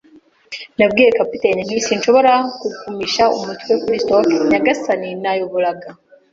Nabwiye kapiteni nti: "Sinshobora kugumisha umutwe kuri stock, nyagasani." Nayoboraga,